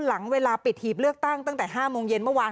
หลังเวลาปิดหีบเลือกตั้งตั้งแต่๕โมงเย็นเมื่อวาน